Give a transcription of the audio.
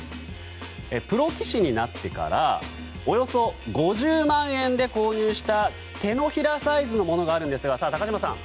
プロ棋士になってからおよそ５０万円で購入した手のひらサイズのものがあるんですが高島さん